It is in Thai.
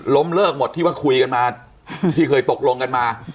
เลิกหมดที่ว่าคุยกันมาที่เคยตกลงกันมา